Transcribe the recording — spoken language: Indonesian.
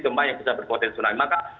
gempa yang bisa berpotensi tsunami maka